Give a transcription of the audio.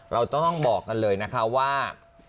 เราต้องบอกกันเลยนะคะว่า